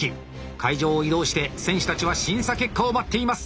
会場を移動して選手たちは審査結果を待っています。